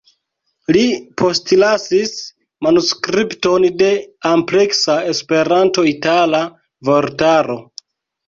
Li postlasis manuskripton de ampleksa Esperanto-itala vortaro.